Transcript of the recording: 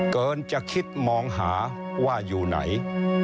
เกินจะคิดมองหาว่าอยู่ไหน